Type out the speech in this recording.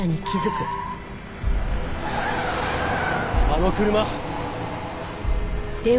あの車！